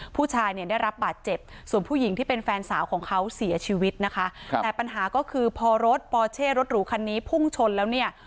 ผู้ชายเนี่ยได้รับบาดเจ็บส่วนผู้หญิงที่เป็นแฟนสาวของเขาเสียชีวิตนะคะแต่ปัญหาก็คือพอรถปอเช่รถหรูคันนี้พุ่งชนแล้วเนี่ย